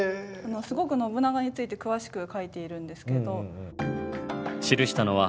すごく信長について詳しく書いているんですけど。